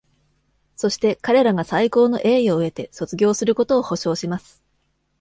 そして、彼らが最高の栄誉を得て卒業することを保証します!